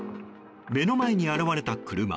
目の前に現れた車。